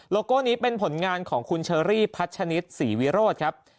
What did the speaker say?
โก้นี้เป็นผลงานของคุณเชอรี่พัชนิตศรีวิโรธครับ